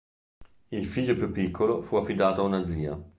Il figlio più piccolo fu affidato a una zia.